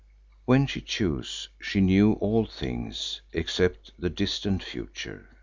When she chose, she knew all things, except the distant future.